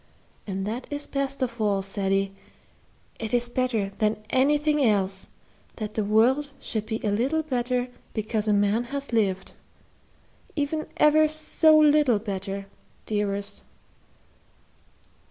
And that is best of all, Ceddie, it is better than everything else, that the world should be a little better because a man has lived even ever so little better, dearest."